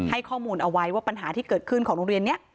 ข้อมูลเอาไว้ว่าปัญหาที่เกิดขึ้นของโรงเรียนนี้